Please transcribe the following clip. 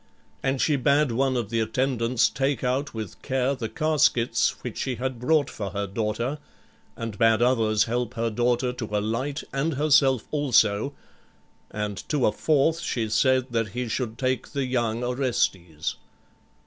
And she bade one of the attendants take out with care the caskets which she had brought for her daughter, and bade others help her daughter to alight and herself also, and to a fourth she said that he should take the young Orestes.